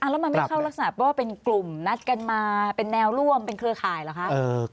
แล้วมันไม่เข้ารักษณะว่าเป็นกลุ่มนัดกันมาเป็นแนวร่วมเป็นเครือข่ายเหรอคะ